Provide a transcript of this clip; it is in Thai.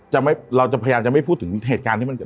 เราจะพยายามจะไม่พูดถึงเหตุการณ์ที่มันเกิด